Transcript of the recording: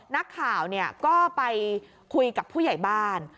นักข่าวก็ไปคุยกับผู้ใหญ่บ้าน